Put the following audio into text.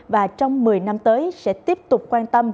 và trong một mươi năm tới sẽ tiếp tục quan tâm